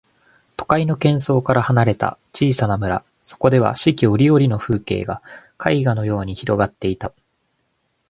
都会の喧騒から離れた小さな村、そこでは四季折々の風景が絵画のように広がっていた。